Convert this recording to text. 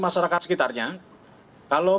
masyarakat sekitarnya kalau